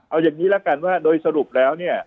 เอาอย่างนี้ละกันว่าโดยสรุปแล้วเนี่ย